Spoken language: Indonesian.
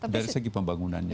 dari segi pembangunannya